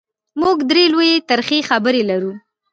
موږ درې لویې ترخې خبرې لرو: